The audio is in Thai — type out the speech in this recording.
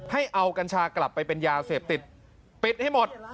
ให้เอากัญชากลับไปเป็นยาเสพติดปิดให้หมด